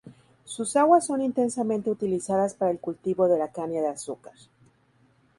Sus aguas son intensamente utilizadas para el cultivo de la caña de azúcar.